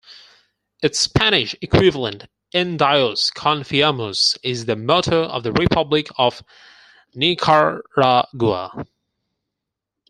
Its Spanish equivalent, "En Dios Confiamos," is the motto of the Republic of Nicaragua.